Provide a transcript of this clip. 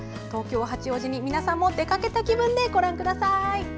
東京・八王子に皆さん出かけた気分でご覧ください。